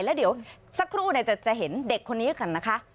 แล้วเดี๋ยวสักครู่จะเห็นเด็กคนนี้กันนะคะ